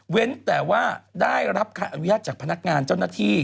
แต่ว่าได้รับการอนุญาตจากพนักงานเจ้าหน้าที่